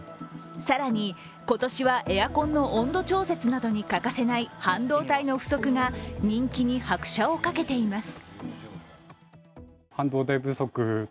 更に、今年はエアコンの温度調節などに欠かせない半導体の不足が人気に拍車をかけています。